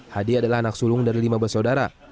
hadi adalah anak sulung dari lima bersaudara